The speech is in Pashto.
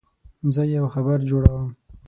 زه یو خبر جوړوم.